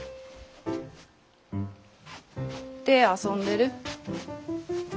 手遊んでる。